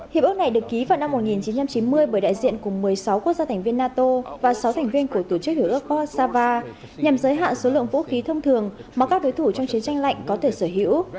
hiệp ước này được ký vào năm một nghìn chín trăm chín mươi bởi đại diện cùng một mươi sáu quốc gia thành viên nato và sáu thành viên của tổ chức hiểu ước post sava nhằm giới hạn số lượng vũ khí thông thường mà các đối thủ trong chiến tranh lạnh có thể sở hữu